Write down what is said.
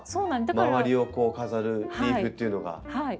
周りを飾るリーフっていうのが。